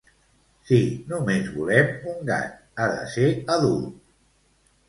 Si només volem un gat, ha de ser adult.